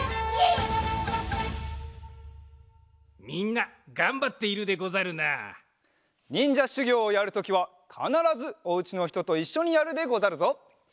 みんながんばっているでござるな。にんじゃしゅぎょうをやるときはかならずおうちのひとといっしょにやるでござるぞ。